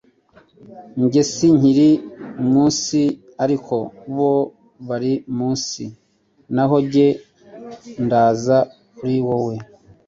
Njye sinkiri mu isi, ariko bo bari mu isi, naho njye ndaza kuri wowe.